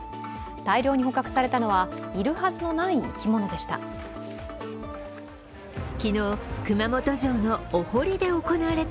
大量に捕獲されたのは、いるはずのない生き物でした。